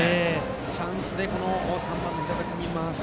チャンスで３番、平田君に回す。